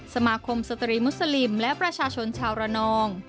สมาคมสตรีมุสลิมและประชาชนชาวระนอง